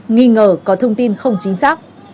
nghi ngờ có thông tin không chính xác